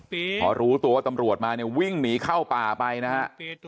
พอรู้ตัวว่าตำรวจมาเนี่ยวิ่งหนีเข้าป่าไปนะฮะ